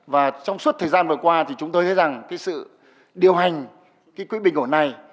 và trong suốt thời gian vừa qua thì chúng tôi thấy rằng cái sự điều hành cái quỹ bình ổn này